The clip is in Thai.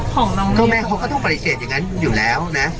ก็แม่เขาก็ต้องปฏิเสธอย่างงั้นอยู่แล้วนะ